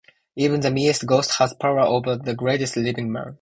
Even the meanest ghost has power over the greatest living man.